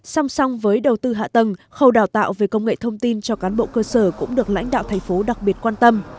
song song với đầu tư hạ tầng khẩu đào tạo về công nghệ thông tin cho cán bộ cơ sở cũng được lãnh đạo thành phố đặc biệt quan tâm